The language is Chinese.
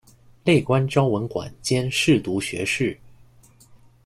累官昭文馆兼侍读学士。